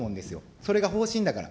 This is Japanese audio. それが方針だから。